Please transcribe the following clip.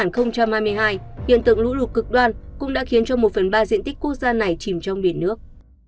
năm hai nghìn hai mươi hai hiện tượng lũ lụt cực đoan cũng đã khiến cho một phần ba diện tích quốc gia này chìm trong biển nước